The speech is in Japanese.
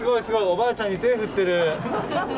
おばあちゃんに手振ってる。